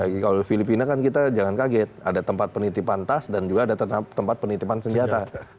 kalau filipina kan kita jangan kaget ada tempat penitipan tas dan juga ada tempat penitipan senjata